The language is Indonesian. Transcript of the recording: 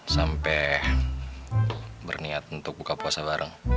sampai berniat untuk buka puasa bareng